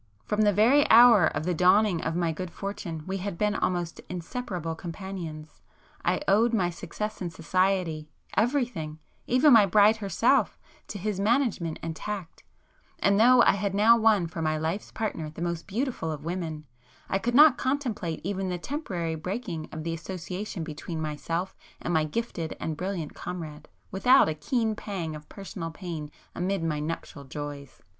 From the very hour of the dawning of my good fortune we had been almost inseparable companions,—I owed my success in society,—everything, even my bride herself,—to his management and tact,—and though I had now won for my life's partner the most beautiful of women, I could not contemplate even the temporary breaking of the association between myself and my gifted and brilliant comrade, without a keen pang of personal pain amid my nuptial joys.